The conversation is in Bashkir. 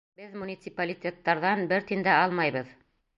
— Беҙ муниципалитеттарҙан бер тин дә алмайбыҙ.